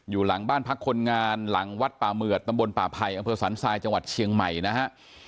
อยู่หลังบ้านพักคนงานหลังวัดป่าเหมือดตำบลป่าไผ่อำเภอสันทรายจังหวัดเชียงใหม่นะฮะ